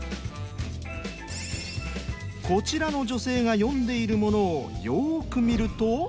こちらの女性が読んでいるものをよく見ると。